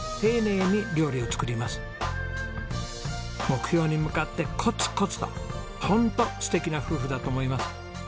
目標に向かってコツコツとホント素敵な夫婦だと思います。